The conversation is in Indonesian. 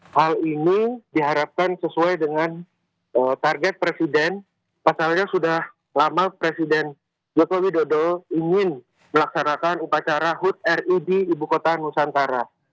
hal ini diharapkan sesuai dengan target presiden pasalnya sudah lama presiden joko widodo ingin melaksanakan upacara hud ri di ibu kota nusantara